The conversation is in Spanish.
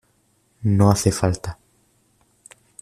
no hace falta.